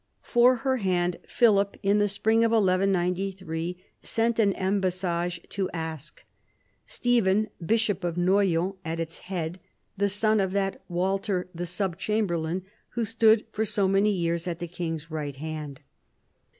For her hand Philip in the spring of 1193 sent an embassage to ask, — Stephen, bishop of Noyon at its head, the son of that Walter the sub chamberlain, who stood for so many years at the king's right hand.